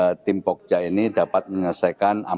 mudah mudahan tim pokja ini dapat menyelesaikan amal amal ini